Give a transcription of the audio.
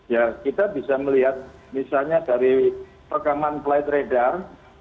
ya kita bisa melihat misalnya dari rekaman flight radar